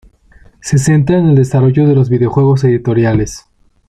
Se centra en el desarrollo de los videojuegos editoriales.